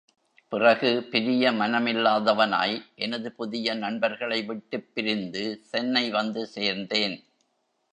பிறகு, பிரிய மனமில்லாதவனாய் எனது புதிய நண்பர்களை விட்டுப் பிரிந்து சென்னை வந்து சேர்ந்தேன்.